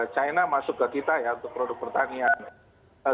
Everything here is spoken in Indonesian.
china masuk ke kita ya untuk produk pertanian